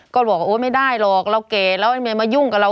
ก็บอกโอ๊ยไม่ได้หรอกเราแก่แล้วทำไมมายุ่งกับเรา